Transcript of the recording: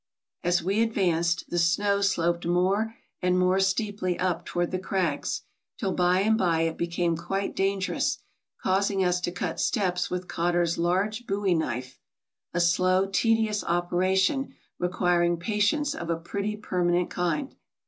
As we advanced, the snow sloped more and more steeply up toward the crags, till by and by it became quite danger ous, causing us to cut steps with Cotter's large bowie knife — a slow, tedious operation, requiring patience of a pretty permanent kind.